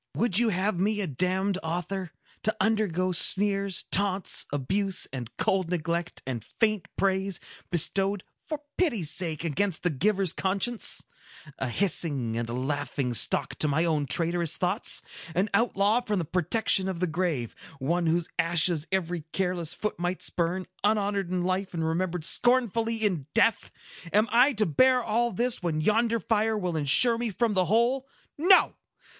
Would you have me a damned author?—To undergo sneers, taunts, abuse, and cold neglect, and faint praise, bestowed, for pity's sake, against the giver's conscience! A hissing and a laughing stock to my own traitorous thoughts! An outlaw from the protection of the grave,—one whose ashes every careless foot might spurn, unhonored in life, and remembered scornfully in death! Am I to bear all this, when yonder fire will insure me from the whole? No!